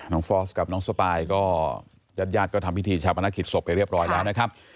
น้องฟอสกับน้องสปายก็ยัดยัดก็ทำพิธีชาวบรรณคิดศพไปเรียบร้อยแล้วนะครับ